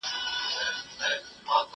زه به د نوي لغتونو يادونه کړې وي،